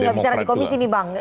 kita tidak bicara di komisi ini bang